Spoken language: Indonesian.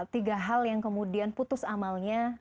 tiga hal yang kemudian putus amalnya